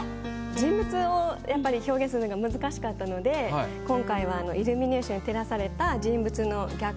人物をやっぱり表現するのが難しかったので今回はイルミネーションに照らされた。